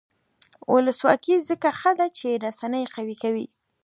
ولسواکي ځکه ښه ده چې رسنۍ قوي کوي.